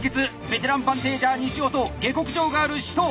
ベテランバンテージャー西尾と下克上ガール紫桃。